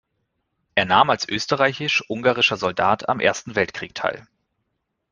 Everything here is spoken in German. Er nahm als österreich-ungarischer Soldat am Ersten Weltkrieg teil.